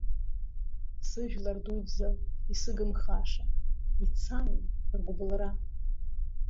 Сыжәлар дуӡӡа исыгымхаша, ицами ргәбылра.